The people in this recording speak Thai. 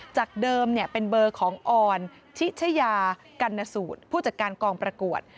จากเดิมเป็นเบอร์ของออนทิชยากัณสูตรผู้จัดการกองประกวด